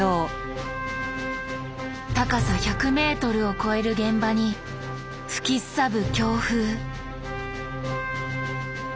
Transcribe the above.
高さ１００ｍを超える現場に吹きすさぶ強風。